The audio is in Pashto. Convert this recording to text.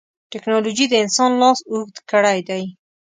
ټکنالوجي د انسان لاس اوږد کړی دی.